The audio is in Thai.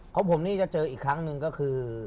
ของผมนี่จะเจออีกครั้งหนึ่งก็คือ